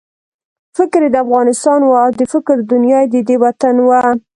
فکر یې د افغانستان وو او د فکر دنیا یې ددې وطن وه.